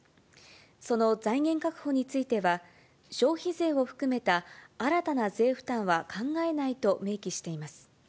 その財源確保については、消費税を含めた新たな税負担は考えないと明記しています。